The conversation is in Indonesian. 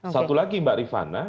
satu lagi mbak rifana